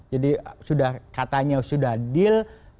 jadi sudah katanya sudah deal